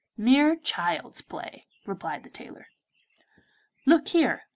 'Mere child's play,' replied the tailor; 'look here!